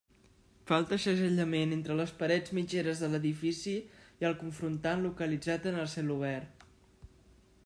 Falta segellament entre les parets mitgeres de l'edifici i el confrontant localitzat en el celobert.